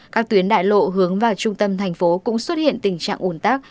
các tuyến đại lộ hướng vào trung tâm thành phố cũng xuất hiện tình trạng ủn tắc